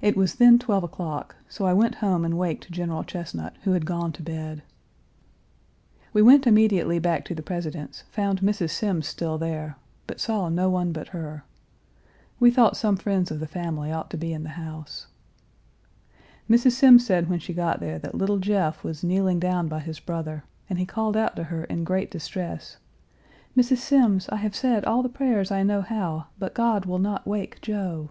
It was then twelve o'clock; so I went home and waked General Chesnut, who had gone Page 306 to bed. We went immediately back to the President's, found Mrs. Semmes still there, but saw no one but her. We thought some friends of the family ought to be in the house. Mrs. Semmes said when she got there that little Jeff was kneeling down by his brother, and he called out to her in great distress: "Mrs. Semmes, I have said all the prayers I know how, but God will not wake Joe."